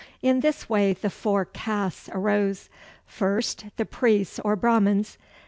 In this way the Four Castes arose. First, the priests or Brahmans.